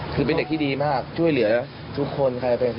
คือเป็นเด็กที่ดีมากช่วยเหลือทุกคน